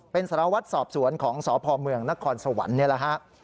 เป็นสารวัตรสอบสวนของสพเมืองนครสวรรค์นี่แหละฮะ